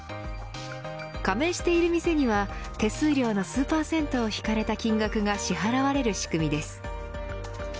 加盟している店には手数料の数％を引かれた金額が支払われる仕組みです。